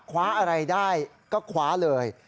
ขวาอะไรได้ก็ขวาเลย